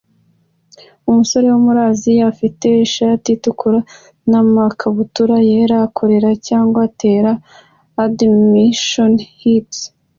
Umusore wo muri Aziya ufite ishati itukura namakabutura yera akorera cyangwa atera badminton hit